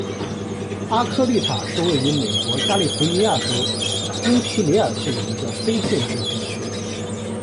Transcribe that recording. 阿科利塔是位于美国加利福尼亚州因皮里尔县的一个非建制地区。